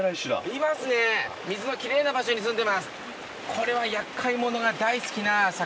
いますね水の奇麗な場所にすんでます。